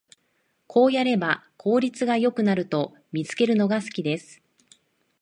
こうやれば効率が良くなると見つけるのが好きです